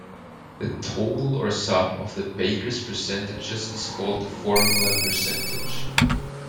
The total or sum of the baker's percentages is called the formula percentage.